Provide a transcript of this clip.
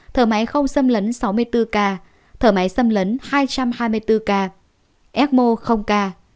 thở máy không xâm lấn sáu mươi bốn ca thở máy xâm lấn hai trăm hai mươi tám k